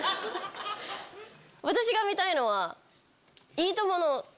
私が見たいのは。